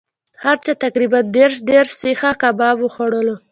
هر چا تقریبأ دېرش دېرش سیخه کباب وخوړلو.